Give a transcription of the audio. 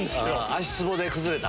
足ツボで崩れた？